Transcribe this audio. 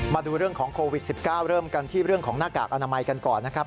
มาดูเรื่องของโควิด๑๙เริ่มกันที่เรื่องของหน้ากากอนามัยกันก่อนนะครับ